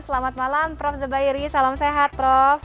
selamat malam prof zubairi salam sehat prof